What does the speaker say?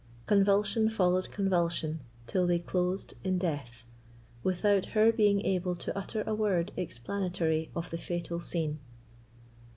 Convulsion followed convulsion, till they closed in death, without her being able to utter a word explanatory of the fatal scene.